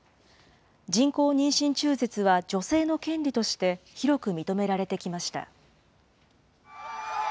人工妊娠中絶は女性の権利として広く認められてきました。